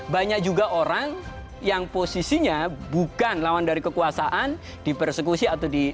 banyak juga orang yang posisinya bukan lawan dari kekuasaan di persekusi atau di